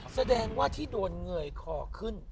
แสดงว่าที่โดนเหงื่อขอกขึ้น